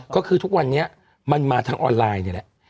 ก็คือทุกวันนี้มันมาทางออนไลน์นี่แหละ